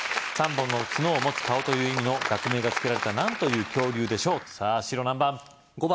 本の角を持つ顔」という意味の学名が付けられた何という恐竜でしょうさぁ白何番？